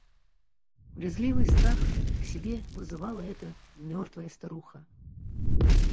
Брезгливый страх к себе вызывала эта мертвая старуха.